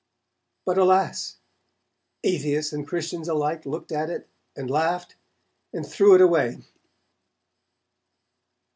But, alas! atheists and Christians alike looked at it, and laughed, and threw it away.